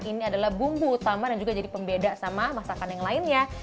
ini adalah bumbu utama dan juga jadi pembeda sama masakan yang lainnya